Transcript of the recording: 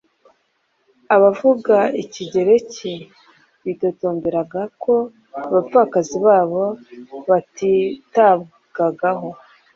Abavuga ikigereki bitotomberaga ko abapfakazi babo batitabwagaho,